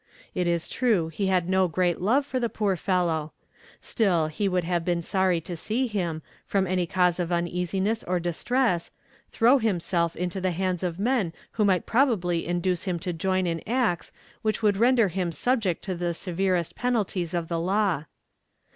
It is true he had no great love for the poor fellow; still he would have been sorry to see him, from any cause of uneasiness or distress, throw himself into the hands of men who might probably induce him to join in acts which would render him subject to the severest penalties of the law.